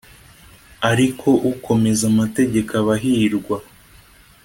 ariko ukomeza amategeko aba ahirwa